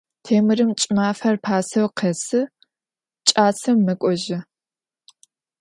Têmırım ç'ımafer paseu khesı, ç'aseu mek'ojı.